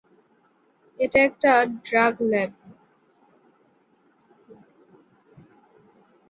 এটা একটা drug lab.